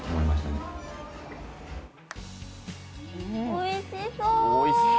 おいしそう！